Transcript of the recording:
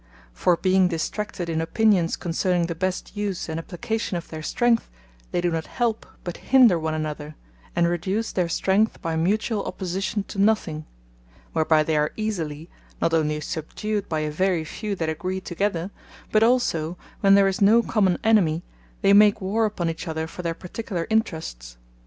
For being distracted in opinions concerning the best use and application of their strength, they do not help, but hinder one another; and reduce their strength by mutuall opposition to nothing: whereby they are easily, not onely subdued by a very few that agree together; but also when there is no common enemy, they make warre upon each other, for their particular interests.